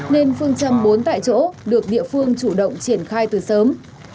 nên phương châm bốn tại chỗ được địa phương chủ động triển khai từ sớm